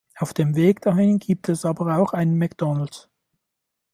Auf dem Weg dahin gibt es aber auch einen McDonalds.